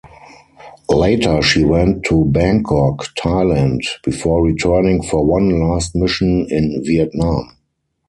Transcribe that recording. Later she went to Bangkok, Thailand before returning for one last mission in Vietnam.